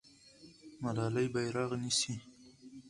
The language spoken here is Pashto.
ملالۍ بیرغ نیسي.